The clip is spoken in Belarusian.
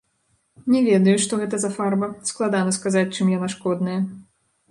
Не ведаю, што гэта за фарба складана сказаць, чым яна шкодная.